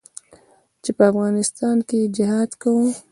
چې په افغانستان کښې يې جهاد کاوه.